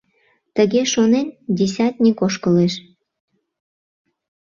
Тыге шонен, десятник ошкылеш.